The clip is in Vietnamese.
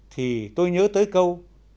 thì tôi nhớ tới câu